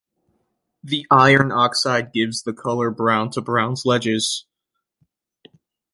The iron oxide gives the color brown to Brown's Ledges.